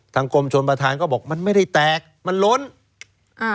กรมชนประธานก็บอกมันไม่ได้แตกมันล้นอ่า